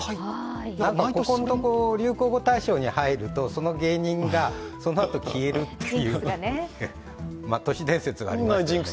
ここのところ流行語対象に入るとその芸人が、そのあと消えるっていう都市伝説がありますが。